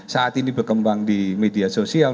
saat ini berkembang di media sosial